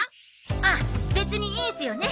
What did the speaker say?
あっ別にいいんすよね？